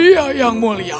iya yang mulia